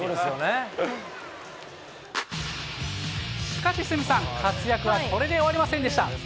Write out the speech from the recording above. しかし、鷲見さん、活躍はこれで終わりませんでした。